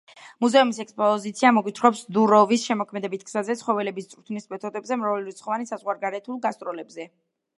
მუზეუმის ექსპოზიცია მოგვითხრობს დუროვის შემოქმედებით გზაზე, ცხოველების წვრთნის მეთოდებზე, მრავალრიცხოვან საზღვარგარეთულ გასტროლებზე.